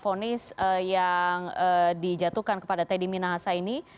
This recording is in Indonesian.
fonis yang dijatuhkan kepada teddy minahasa ini